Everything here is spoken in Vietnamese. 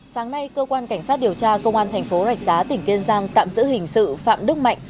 sáng nay cơ quan cảnh sát điều tra công an thành phố rạch giá tỉnh kiên giang tạm giữ hình sự phạm đức mạnh